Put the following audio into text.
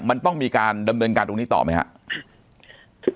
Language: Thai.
มันต้องมีการดำเนินการตรงนี้ต่อไหมครับ